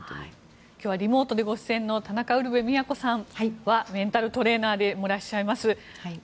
今日はリモートでご出演の田中ウルヴェ京さんはメンタルトレーナーでもいらっしゃいます。